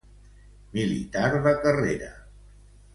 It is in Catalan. Militar de carrera.